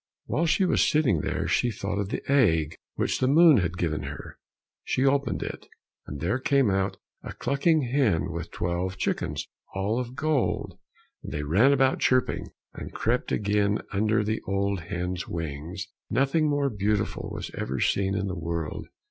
While she was sitting there, she thought of the egg which the moon had given her; she opened it, and there came out a clucking hen with twelve chickens all of gold, and they ran about chirping, and crept again under the old hen's wings; nothing more beautiful was ever seen in the world!